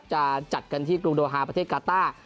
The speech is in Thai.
จะจัดกันที่กรุงโดฮาประเทศกาต้า